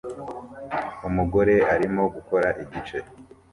Umugore arimo gukora igice